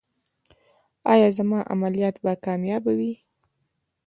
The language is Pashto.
ایا زما عملیات به کامیابه وي؟